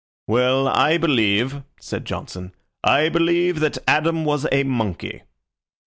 "Well, I believe," said Johnson "I believe that Adam was a monkey."